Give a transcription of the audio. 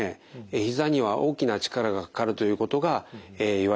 ひざには大きな力がかかるということがいわれています。